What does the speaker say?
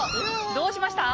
どうしました？